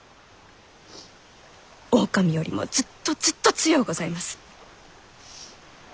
狼よりもずっとずっと強うございます。